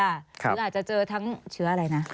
หรืออาจจะเจอทั้งเชื้ออะไรนะ